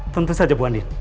tentu saja bu andin